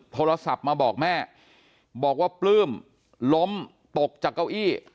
โทรศัพท์มาบอกแม่บอกว่าปลื้มล้มตกจากเก้าอี้